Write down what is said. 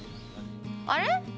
あれ？